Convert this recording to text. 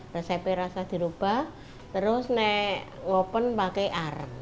resepnya rasa berubah terus saya buka pakai arang